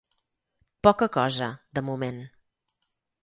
Poca cosa, de moment.